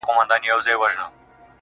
په ورځ کي سل ځلي ځارېدله.